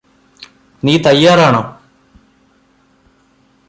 നീ തയ്യാറാണോ